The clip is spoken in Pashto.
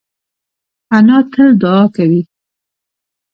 انا تل دعا کوي